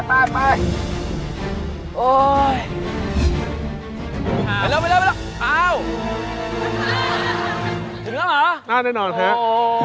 ไปถึงแล้วเหรอน่าแน่นอนครับ